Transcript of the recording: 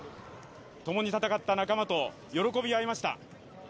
ともに戦った仲間と喜び合いました。